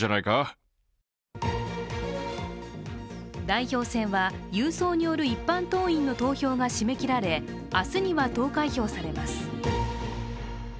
代表選は、郵送による一般党員の投票が締め切られ、明日には投開票されます。